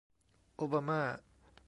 โอบามา